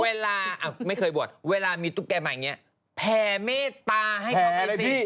เวลาไม่เคยบวชเวลามีตุ๊กแก่มาอย่างนี้แผ่เมตตาให้เขาเลยสิ